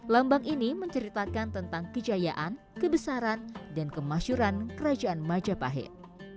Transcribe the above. lambang ini menceritakan tentang kejayaan kebesaran dan kemasyuran kerajaan majapahit